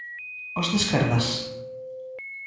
Os de esquerdas?